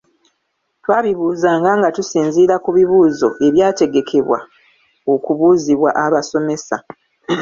Twabibuuzanga nga tusinziira ku bibuuzo ebyategekebwa okubuuzibwa abasomesa.